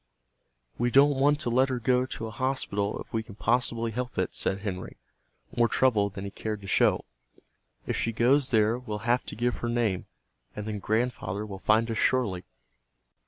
"We don't want to let her go to a hospital if we can possibly help it," said Henry, more troubled than he cared to show. "If she goes there we'll have to give her name, and then Grandfather will find us surely."